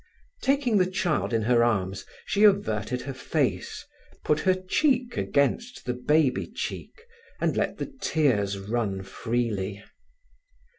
Taking the child in her arms, she averted her face, put her cheek against the baby cheek, and let the tears run freely.